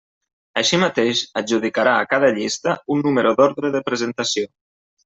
Així mateix, adjudicarà a cada llista un número d'ordre de presentació.